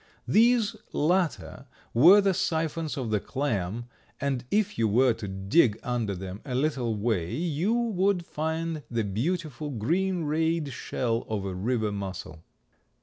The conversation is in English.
These latter were the siphons of the clam and if you were to dig under them a little way you would find the beautiful green rayed shell of a river mussel.